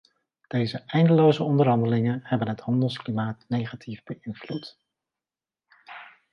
Deze eindeloze onderhandelingen hebben het handelsklimaat negatief beïnvloed.